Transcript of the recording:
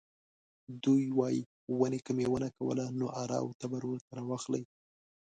دوی وايي ونې که میوه نه کوله نو اره او تبر ورته راواخلئ.